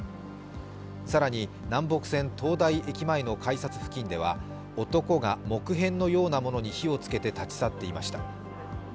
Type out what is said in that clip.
更に、南北線・東大駅前の改札付近では男が木片のようなものに火を付けて立ち去っていました。